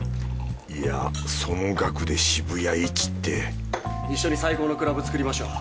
いやその額で渋谷一って一緒に最高のクラブ作りましょう。